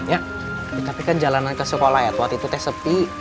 iya tapi kan jalanan ke sekolah edward itu sepi